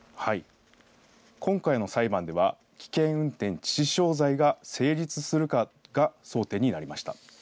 今回の裁判では危険運転致死傷罪が成立するかが争点になりました。